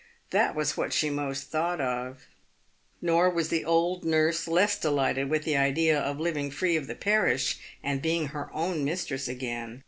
That was what she most thought of." Nor was the old nurse less delighted with the idea of living free of the parish, and being her own mistress again.